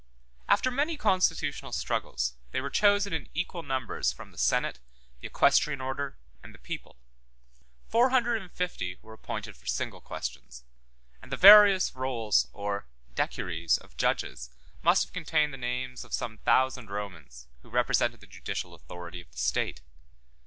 After many constitutional struggles, they were chosen in equal numbers from the senate, the equestrian order, and the people; four hundred and fifty were appointed for single questions; and the various rolls or decuries of judges must have contained the names of some thousand Romans, who represented the judicial authority of the state.